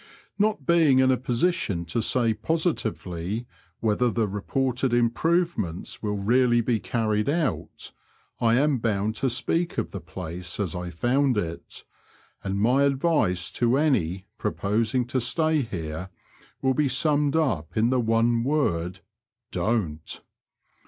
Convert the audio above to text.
Not being in a position to say positively whether the reported improvements will really be carried out, I am bound to speak of the place as I found it, and my advice to any proposing to stay here will be sumn^ed up in the one word, " Don't